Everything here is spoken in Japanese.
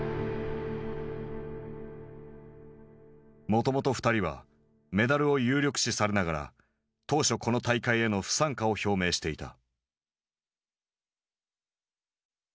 もともと２人はメダルを有力視されながら当初この大会への不参加を表明していた。